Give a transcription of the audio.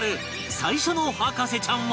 最初の博士ちゃんは